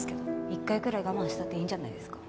一回ぐらい我慢したっていいんじゃないですか？